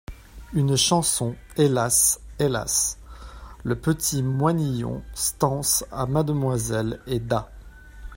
Une Chanson : «Hélas ! Hélas !…» Le petit moinillon, stances à Mademoiselle est d'A.